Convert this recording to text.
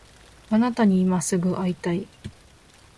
あなたに今すぐ会いたい